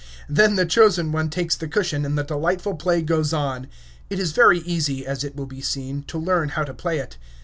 Then the chosen one takes the cushion and the delightful play goes on. It is very easy, as it will be seen, to learn how to play it.